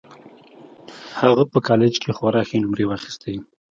هغه په کالج کې خورا ښې نومرې واخيستې